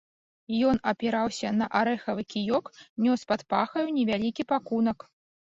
Ён апіраўся на арэхавы кіёк, нёс пад пахаю невялікі пакунак.